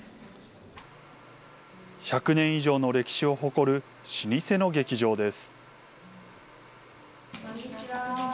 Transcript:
１００年以上の歴史を誇る老舗の劇場です。